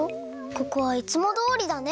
ここはいつもどおりだね！